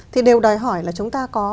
thì đều đòi hỏi là chúng ta có